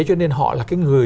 cho nên họ là cái người